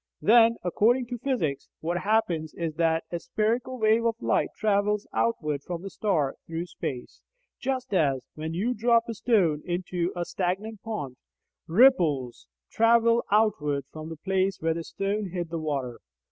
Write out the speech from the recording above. Then, according to physics, what happens is that a spherical wave of light travels outward from the star through space, just as, when you drop a stone into a stagnant pond, ripples travel outward from the place where the stone hit the water.